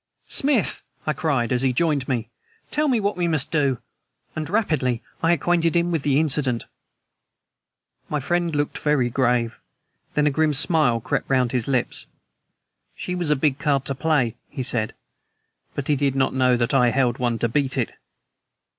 "Smith!" I cried as he joined me, "tell me what we must do!" And rapidly I acquainted him with the incident. My friend looked very grave; then a grim smile crept round his lips. "She was a big card to play," he said; "but he did not know that I held one to beat it."